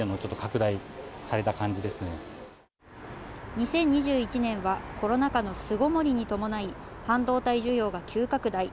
２０２１年はコロナ禍の巣ごもりに伴い、半導体需要が急拡大。